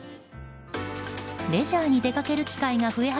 レジャーに出かける機会が増えた